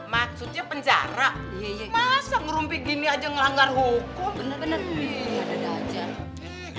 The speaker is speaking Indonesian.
maksudnya penjara iya iya masa ngerumpih gini aja ngelanggar hukum bener bener iya ada dada aja